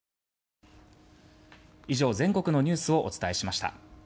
以上、全国のニュースをお伝えしました。